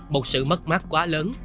một sự mất mát quá lớn